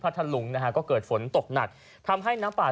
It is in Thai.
ทะลุงนะฮะก็เกิดฝนตกหนักทำให้น้ำป่า